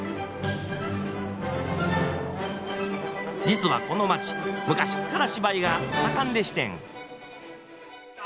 実はこの街昔っから芝居が盛んでしてん。